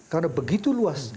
karena begitu luas